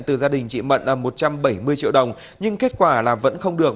từ gia đình chị mận là một trăm bảy mươi triệu đồng nhưng kết quả là vẫn không được